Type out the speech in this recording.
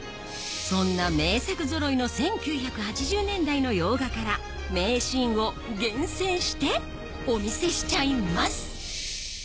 そんな名作ぞろいの１９８０年代の洋画から名シーンを厳選してお見せしちゃいます